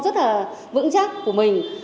rất là vững chắc của mình